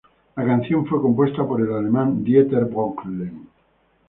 La canción fue compuesta por el alemán Dieter Bohlen.